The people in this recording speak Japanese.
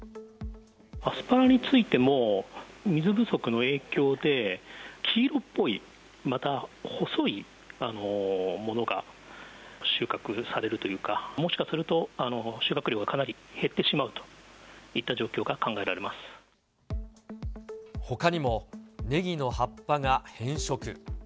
アスパラについても、水不足の影響で、黄色っぽい、また、細いものが収穫されるというか、もしかすると収穫量がかなり減ってしまうといった状況が考えられほかにも、ねぎの葉っぱが変色。